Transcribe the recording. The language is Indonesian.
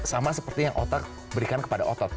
sama seperti yang otak berikan kepada otot